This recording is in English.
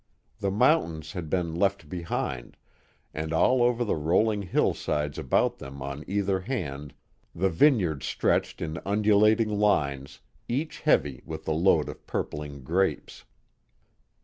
The mountains had been left behind, and all over the rolling hillsides about them on either hand the vineyards stretched in undulating lines, each heavy with the load of purpling grapes.